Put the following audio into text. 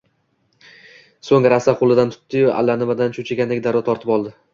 So‘ngra asta qo‘limdan tutdi-yu, allanimadan cho‘chigandek darrov tortib oldi: